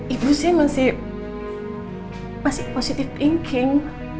ibu sih masih positive thinking